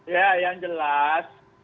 ya yang jelas